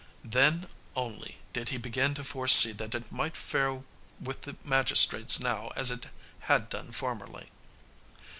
Then only did he begin to foresee that it might fare with the magistrates now as it had done formerly.